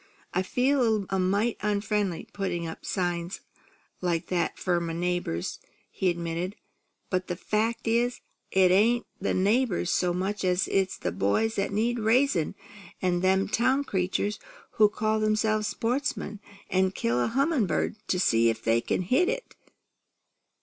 "I feel a little mite onfriendly, putting up signs like that 'fore my neighbours," he admitted, "but the fact is, it ain't the neighbours so much as it's boys that need raising, an' them town creatures who call themselves sportsmen, an' kill a hummin' bird to see if they can hit it.